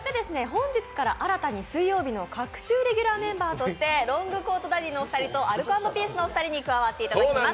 本日から新たに水曜日の隔週レギュラーメンバーとしてロングコートダディのお二人と、アルコ＆ピースのお二人に加わっていただきます。